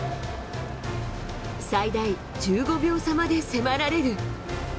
最大１５秒差まで迫られる。